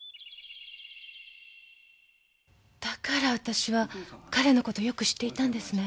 だからあたしは彼のことよく知っていたんですね！